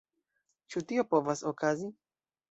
Ĉu tio povas okazi?